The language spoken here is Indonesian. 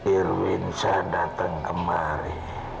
irwin shah datang kemari